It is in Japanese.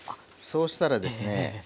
そうしたらですね